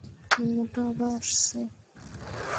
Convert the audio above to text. ওটা আবার আসছে!